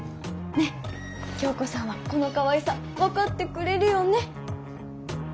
ねっキョウコさんはこのかわいさわかってくれるよね？